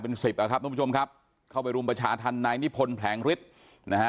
เป็น๑๐ครับทุกผู้ชมครับเข้าไปรุมประชาธรรมนายนิพลแผงฤทธิ์